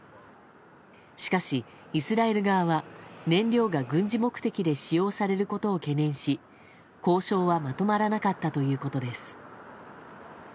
しかし、イスラエル側は燃料が軍事目的で使用されることを懸念し交渉はまとまらなかったということです。